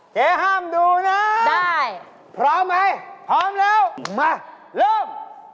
ห้ามดูนะได้พร้อมไหมพร้อมแล้วมาเริ่ม